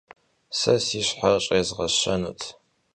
Se si şher ş'êzğeşenut.